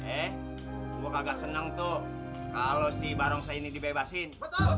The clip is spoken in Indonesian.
eh gue agak senang tuh kalau si barongsai ini dibebasin